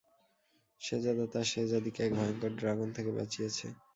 শেহজাদা তার শেহজাদি কে এক ভয়ংকর ড্রাগন থেকে বাঁচিয়েছে।